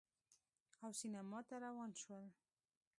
او سینما ته روان شول